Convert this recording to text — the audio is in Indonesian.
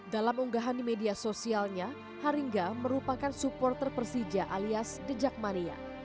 dalam unggahan di media sosialnya haringga merupakan supporter persija alias jejak mania